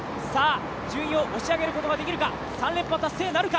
順位を押し上げることはできるか、３連覇達成なるか。